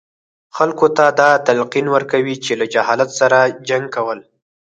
خلکو ته دا تلقین ورکوي چې له جهالت سره جنګ کول.